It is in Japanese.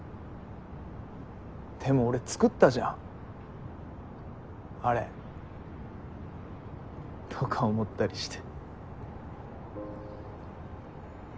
でも俺作ったじゃんあれとか思ったりして。